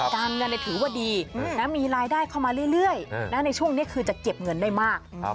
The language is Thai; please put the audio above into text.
การเงินถือว่าดีมีรายได้เข้ามาเรื่อยในช่วงนี้คือจะเก็บเงินได้มาก